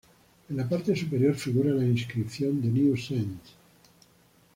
En la parte superior, figura la inscripción "The New Saints".